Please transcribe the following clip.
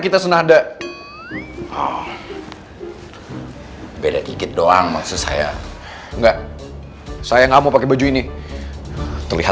terus gue yang ketipu